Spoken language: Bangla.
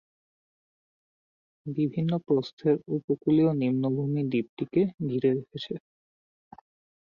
বিভিন্ন প্রস্থের উপকূলীয় নিম্নভূমি দ্বীপটিকে ঘিরে রেখেছে।